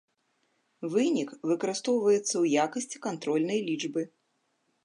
Вынік выкарыстоўваецца ў якасці кантрольнай лічбы.